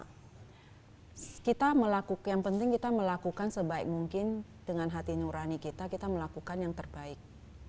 hai kita melakukan yang penting kita melakukan sebaik mungkin dengan hati nurani kita kita melakukan yang terbaik